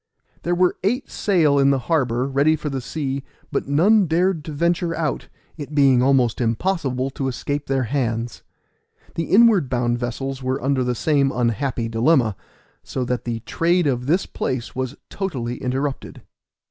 There were eight sail in the harbor, ready for the sea, but none dared to venture out, it being almost impossible to escape their hands. The inward bound vessels were under the same unhappy dilemma, so that the trade of this place was totally interrupted.